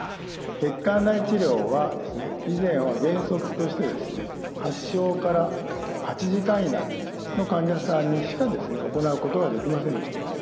血管内治療は以前は原則としてですね発症から８時間以内の患者さんにしか行うことができませんでした。